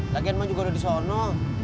lagian lo juga udah di sana